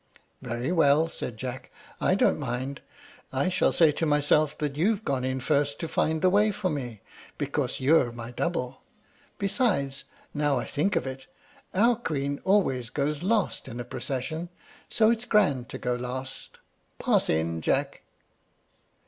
"Very well," said Jack, "I don't mind. I shall say to myself that you've gone in first to find the way for me, because you're my double. Besides, now I think of it, our Queen always goes last in a procession; so it's grand to go last. Pass in, Jack."